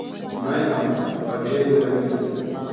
naye ampatie jirani yake